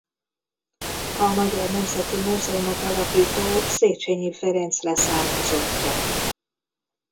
A Magyar Nemzeti Múzeumot alapító Széchenyi Ferenc leszármazottja.